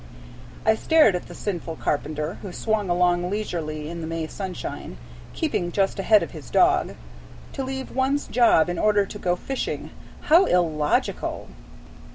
I stared at the sinful carpenter, who swung along leisurely in the May sunshine, keeping just ahead of his dog. To leave one's job in order to go fishing! How illogical!